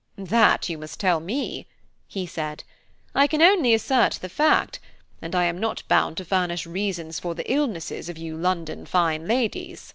"That you must tell me," he said; "I can only assert the fact; and I am not bound to furnish reasons for the illnesses of you London fine ladies."